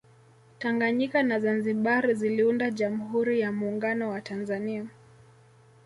tanganyika na zanzibar ziliunda jamhuri ya muungano wa tanzania